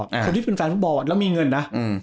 คนที่เป็นแฟนฟุตบอลแล้วมีเงินนะ